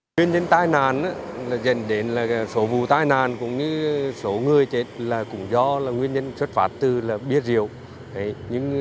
nguyên nhân tai nạn dành đến số vụ tai nạn cũng như số người chết cũng do nguyên nhân xuất phát từ bia rượu